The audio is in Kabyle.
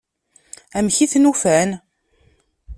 Amek i ten-ufan?